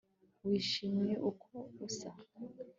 Wishimiye uko usa